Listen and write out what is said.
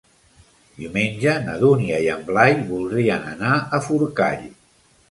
Diumenge na Dúnia i en Blai voldrien anar a Forcall.